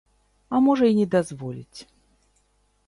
А можа і не дазволіць.